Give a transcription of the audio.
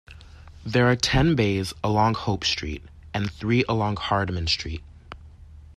There are ten bays along Hope Street and three along Hardman Street.